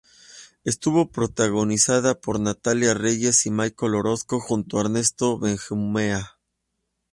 Estuvo protagonizada por Natalia Reyes y Michell Orozco, junto a Ernesto Benjumea.